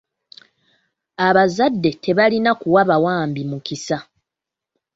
Abazadde tebalina kuwa bawambi mukisa.